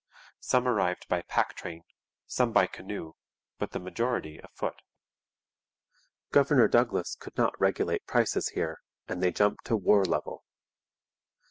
Some arrived by pack train, some by canoe, but the majority afoot. Governor Douglas could not regulate prices here, and they jumped to war level.